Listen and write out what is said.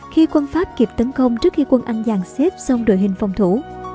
khi quân pháp kịp tấn công trước khi quân anh giàn xếp xong đội hình phòng thủ